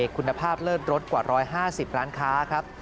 คุณภาพเลิศรสกว่า๑๕๐ร้านค้าครับ